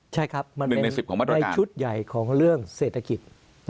ใช่ครับในชุดใหญ่ของเรื่องเศรษฐกิจ